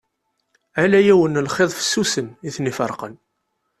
Ala yiwen n lxiḍ fessusen i ten-iferqen.